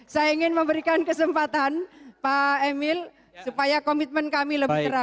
saya ingin memberikan kesempatan pak emil supaya komitmen kami lebih keras